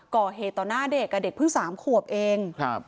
ก่อเหตุต่อหน้าเด็กเด็กเพิ่ง๓ขวบเอง